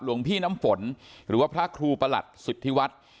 หลวงพี่น้ำฝนหรือว่าพระครูประหลัดสิทธิวัฒน์